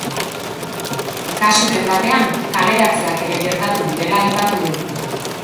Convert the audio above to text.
Kasuren batean, kaleratzeak ere gertatu direla aipatu du.